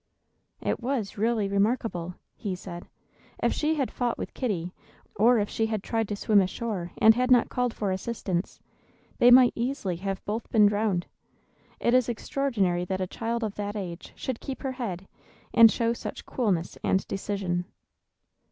"It was really remarkable," he said. "If she had fought with Kitty, or if she had tried to swim ashore and had not called for assistance, they might easily have both been drowned. It is extraordinary that a child of that age should keep her head, and show such coolness and decision."